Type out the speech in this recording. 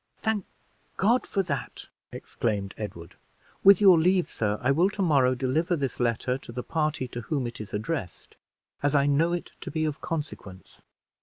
"Thank God for that!" exclaimed Edward. "With your leave, sir, I will to morrow deliver this letter to the party to whom it is addressed, as I know it to be of consequence."